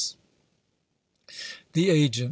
S. THE AGENT.